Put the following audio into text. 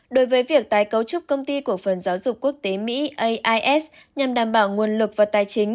đối với việc tái cấu trúc công ty cổ phần giáo dục quốc tế mỹ ais nhằm đảm bảo nguồn lực và tài chính